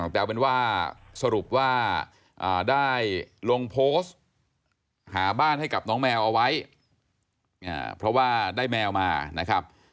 แต่เอาเป็นว่าสรุปว่าได้ลงโพสต์หาบ้านให้กับน้องแมวเอาไว้เพราะว่าได้แมวมานะครับ